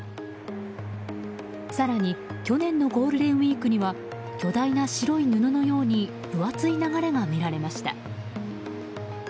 更に去年のゴールデンウィークには巨大な白い布のように分厚い流れが見られました。